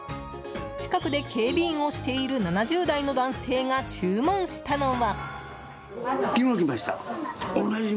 近くで警備員をしている７０代の男性が注文したのは。